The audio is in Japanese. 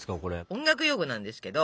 音楽用語なんですけど。